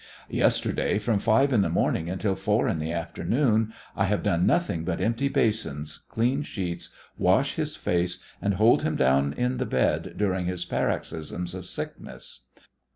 Yesterday from five in the morning until four in the afternoon I have done nothing but empty basins, clean sheets, wash his face, and hold him down in the bed during his paroxysms of sickness.